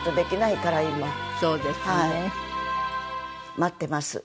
待ってます。